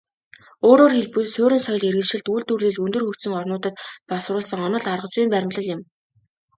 Өөрөөр хэлбэл, суурин соёл иргэншилт, үйлдвэрлэл өндөр хөгжсөн орнуудад боловсруулсан онол аргазүйн баримтлал юм.